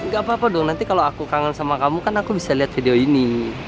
gak apa apa dong nanti kalau aku kangen sama kamu kan aku bisa lihat video ini